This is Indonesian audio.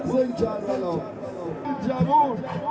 masya allah ini adalah